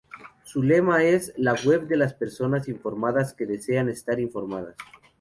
Su lema es ""La web de las personas informadas que desean estar más informadas"".